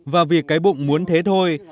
và vì cái bụng muốn thế thôi